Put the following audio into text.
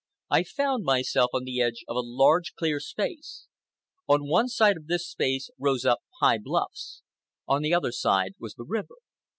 I found myself on the edge of a large clear space. On one side of this space rose up high bluffs. On the other side was the river.